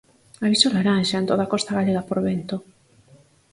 Aviso laranxa en toda a costa galega por vento.